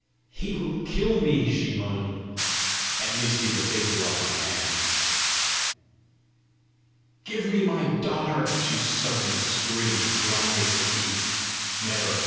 "He will kill me!" she moaned. "At least he will take you off my hands!" "Give me my daughter," she suddenly screamed, grinding her teeth. "Never!